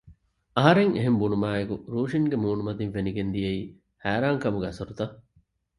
އަހަރެން އެހެން ބުނުމާއެކު ރޫޝިންގެ މޫނުމަތިން ފެނިގެން ދިޔައީ ހައިރާން ކަމުގެ އަސަރުތައް